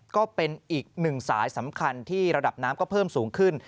ก็เป็นอีกหนึ่งสายสำคัญที่ระดับน้ำก็เพิ่มสูงขึ้น